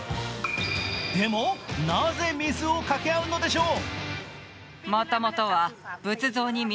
でもなぜ水をかけ合うのでしょう。